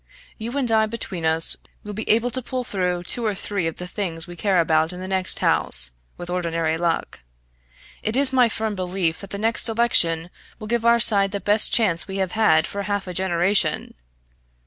You and I between us will be able to pull through two or three of the things we care about in the next House, with ordinary luck. It is my firm belief that the next election will give our side the best chance we have had for half a generation.